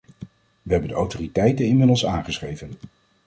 We hebben de autoriteiten inmiddels aangeschreven.